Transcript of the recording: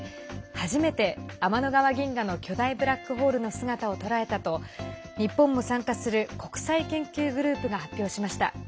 初めて、天の川銀河の巨大ブラックホールの姿を捉えたと日本も参加する国際研究グループが発表しました。